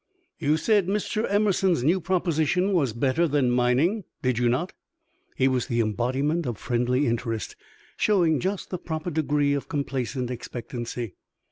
"You said Mr. Emerson's new proposition was better than mining, did you not?" He was the embodiment of friendly interest, showing just the proper degree of complaisant expectancy.